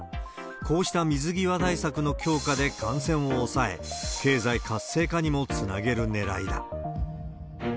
こうした水際対策の強化で感染を抑え、経済活性化にもつなげるねらいだ。